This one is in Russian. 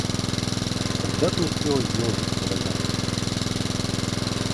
Когда ты успела сделать эту фотографию?